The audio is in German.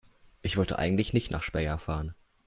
Ich wollte eigentlich nicht nach Speyer fahren